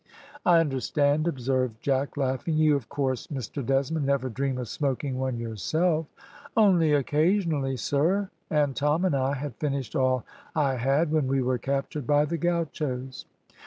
"I understand," observed Jack, laughing. "You, of course, Mr Desmond, never dream of smoking one yourself?" "Only occasionally, sir, and Tom and I had finished all I had when we were captured by the gauchos."